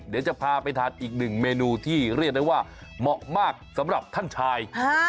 เดี๋ยวจะพาไปทานอีกหนึ่งเมนูที่เรียกได้ว่าเหมาะมากสำหรับท่านชาย